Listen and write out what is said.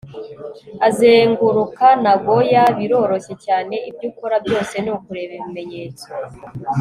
Kubona inzira umuntu azenguruka Nagoya biroroshye cyane Ibyo ukora byose nukureba ibimenyetso